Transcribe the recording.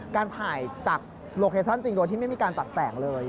การถ่ายจากโลเคชั่นจริงโดยที่ไม่มีการตัดแสงเลย